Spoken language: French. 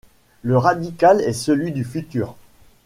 Le radical est celui du futur.